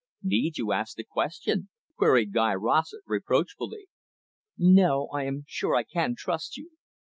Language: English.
"Need you ask the question?" queried Guy Rossett reproachfully. "No, I am sure I can trust you.